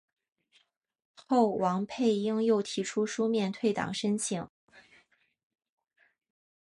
后王佩英又提出书面退党申请。